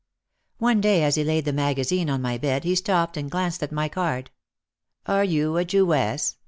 One day as he laid the magazine on my bed he stopped and glanced at my card. "Are you a Jewess?"